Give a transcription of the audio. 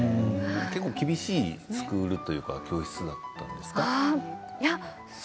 厳しいスクールというか教室だったんですか？